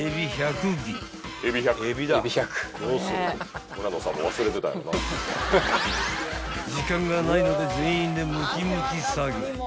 ［時間がないので全員でむきむき作業］